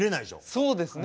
そうですね。